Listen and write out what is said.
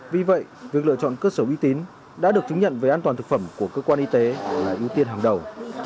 vì vậy việc lựa chọn cơ sở uy tín đã được chứng nhận về an toàn thực phẩm của cơ quan y tế là ưu tiên hàng đầu